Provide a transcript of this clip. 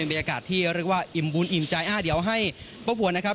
บรรยากาศที่เรียกว่าอิ่มบุญอิ่มใจเดี๋ยวให้พ่อผัวนะครับ